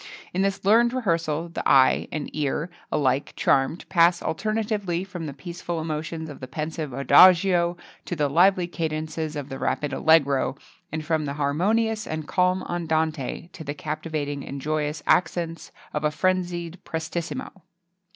[XXII 48] In this learned rehearsal the eye and ear, alike charmed, pass alternately from the peaceful emotions of the pensive adagio to the lively cadences of the rapid allegro, and from the harmonious and calm andante to the captivating and joyous accents of a frenzied prestissimo.